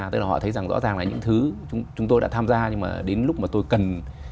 tức là họ thấy rằng rõ ràng là những thứ chúng tôi đã tham gia nhưng mà đến lúc mà tôi cần